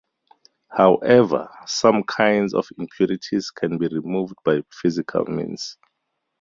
However, some kinds of impurities can be removed by physical means.